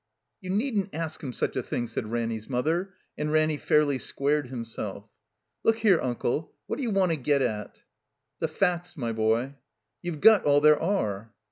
''You needn't ask him such a thing," said Ranny's mother; and Ranny fairly squared himself. "Look here, Unde, what d'you want to gpt at?" "The facts, my boy." "You've got all there are."